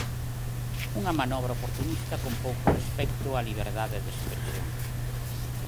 "Unha manobra oportunista con pouco respecto á liberdade de expresión".